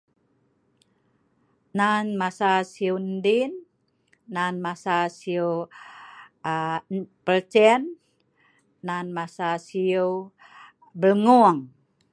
Nan masa siu ndin, nan masa siu pelcen, nan masa siu belgu'ung.